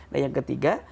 nah yang ketiga